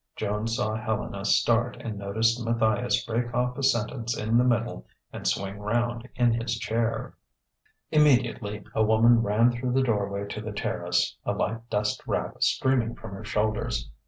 Joan saw Helena start and noticed Matthias break off a sentence in the middle and swing round in his chair. Immediately a woman ran through the doorway to the terrace, a light dust wrap streaming from her shoulders.